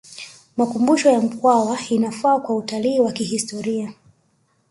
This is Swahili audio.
makumbusho ya mkwawa inafaa kwa utalii wa kihistoria